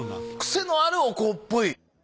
癖のあるお香っぽい。